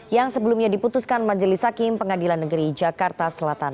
yang sebelumnya diputuskan majelis hakim pengadilan negeri jakarta selatan